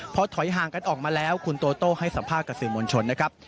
พอถอยห่างกันออกมาแล้วคุณโตโต้ให้สัมภาษณ์กับสื่อมวลชนนะครับ